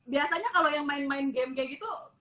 biasanya kalau yang main main game kayak gitu